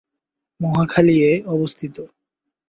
মহাখালী এ অবস্থিত।